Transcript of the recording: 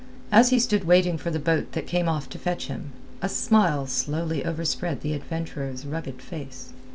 As he stood waiting for the boat that came off to fetch him, a smile slowly overspread the adventurer's rugged face.